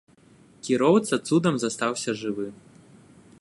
Кіроўца цудам застаўся жывы.